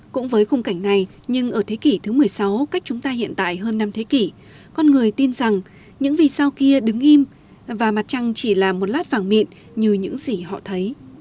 cũng với khung cảnh này nhưng ở thế kỷ thứ một mươi sáu cách chúng ta hiện tại hơn năm thế kỷ con người tin rằng những vị sao kia đứng im và mặt trăng chỉ là một lát vàng mịn như những gì họ thấy